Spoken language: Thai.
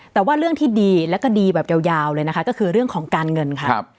แต่ว่าเรื่องที่ดีแล้วก็ดีแบบยาวเลยนะคะก็คือเรื่องของการเงินค่ะ